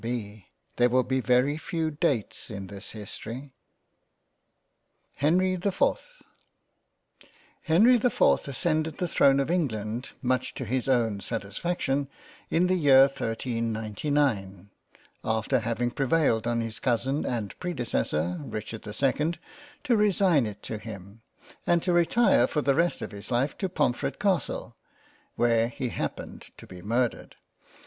B. There will be very few Dates in this History. THE HISTORY OF ENGLAND HENRY the 4th HENRY the 4th ascended the throne of England much to his own satisfaction in the year 1399, after having prevailed on his cousin and predecessor Richard the 2nd, to resign it to him, and to retire for the rest of his life to Pomfret Castle, where he happened to be mur dered.